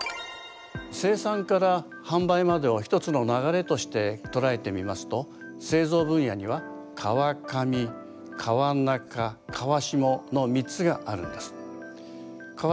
生産から販売までを一つの流れとして捉えてみますと製造分野には川上川中川下の３つがあるんです。